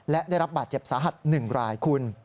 และได้รับบาดเจ็บสาหัส๑รายคุณ